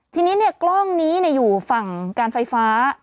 ทีนี้กล้องนี้อยู่ฝั่งการไฟฟ้า